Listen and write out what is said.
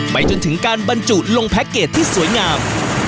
จนถึงการบรรจุลงแพ็คเกจที่สวยงาม